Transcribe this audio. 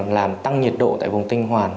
làm tăng nhiệt độ tại vùng tinh hoàn